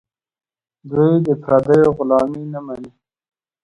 دوی د پردیو غلامي نه مني.